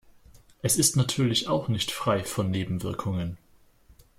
Es ist natürlich auch nicht frei von Nebenwirkungen.